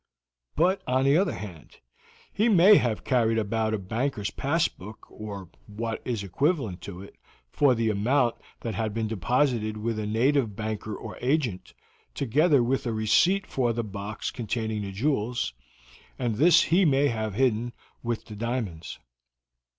But, on the other hand, he may have carried about a banker's passbook, or what is equivalent to it, for the amount that had been deposited with a native banker or agent, together with a receipt for the box containing the jewels, and this he might have hidden with the diamonds."